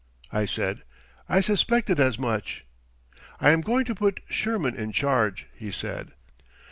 I said, "I suspected as much." "I am going to put Sherman in charge," he said.